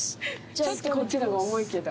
ちょっとこっちの方が重いけど。